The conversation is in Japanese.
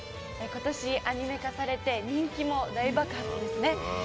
今年アニメ化されて人気も大爆発ですね。